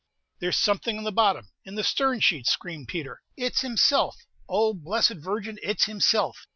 "There's something in the bottom, in the stern sheets!" screamed Peter. "It's himself! O blessed Virgin, it's himself!"